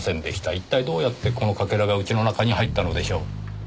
一体どうやってこのかけらが家の中に入ったのでしょう？